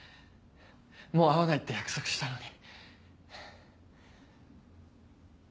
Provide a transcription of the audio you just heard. もう会わないって約束したのに。